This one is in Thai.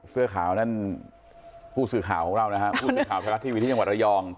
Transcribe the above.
เสื้อขาวนั่นผู้สื่อข่าวของเรานะครับผู้สื่อข่าวไทยรัฐทีวีที่จังหวัดระยอง